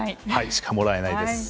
しかもらえないです。